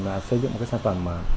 và xây dựng một sản phẩm